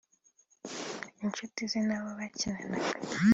inshuti ze n'abo bakinanaga